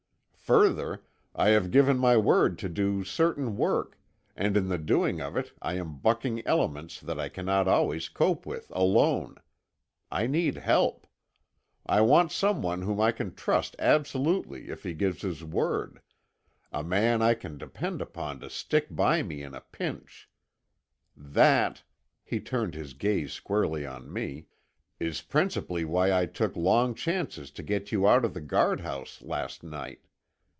Further, I have given my word to do certain work, and in the doing of it I am bucking elements that I cannot always cope with alone. I need help. I want some one whom I can trust absolutely if he gives his word; a man I can depend upon to stick by me in a pinch. That," he turned his gaze squarely on me, "is principally why I took long chances to get you out of the guardhouse, last night.